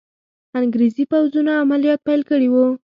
انګریزي پوځونو عملیات پیل کړي وو.